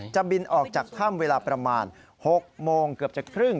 จะบินออกจากถ้ำเวลาประมาณ๖โมงเกือบจะครึ่ง